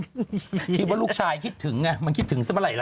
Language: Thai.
คิดว่าลูกชายคิดถึงไงมันคิดถึงซะเมื่อไหรล่ะ